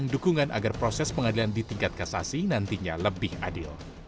dukungan agar proses pengadilan di tingkat kasasi nantinya lebih adil